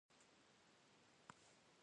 Khıxueş', kxhı'e, şheğubjjer!